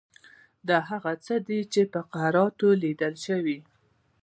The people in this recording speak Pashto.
دا هغه څه دي چې په کراتو لیدل شوي.